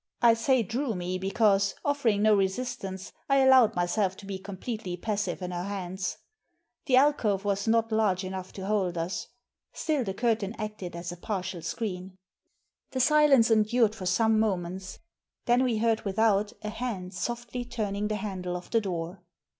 I say drew me because, offering no resistance, I allowed myself to be completely passive in her hands. The alcove was not large enough to hold us. Still the curtain acted as a partial screen. Digitized by VjOOQIC 284 THE SEEN AND THE UNSEEN The silence endured for some moments. Then we heard without a hand softly turning the handle of the door.